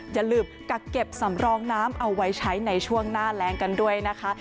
อย่าลืมกักเก็บสำรองน้ำเอาไว้ใช้ในช่วงหน้าแรงกันด้วยนะคะ